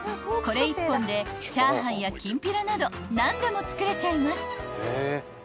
［これ１本でチャーハンやきんぴらなど何でも作れちゃいます］